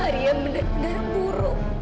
hari yang benar benar buruk